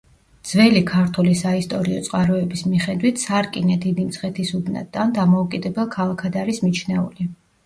ძველი ქართული საისტორიო წყაროების მიხედვით, სარკინე დიდი მცხეთის უბნად ან დამოუკიდებელ ქალაქად არის მიჩნეული.